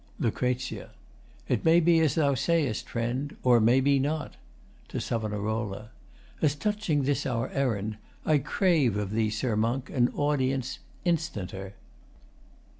LUC. It may be as thou sayest, friend, Or may be not. [To SAV.] As touching this our errand, I crave of thee, Sir Monk, an audience Instanter.